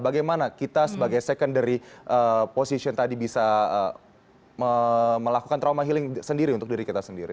bagaimana kita sebagai secondary position tadi bisa melakukan trauma healing sendiri untuk diri kita sendiri